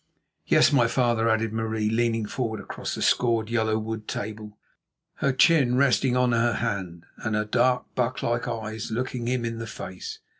"Yes, my father," added Marie, leaning forward across the scored yellow wood table, her chin resting on her hand and her dark, buck like eyes looking him in the face.